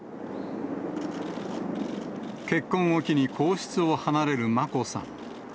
結婚を機に皇室を離れる眞子さん。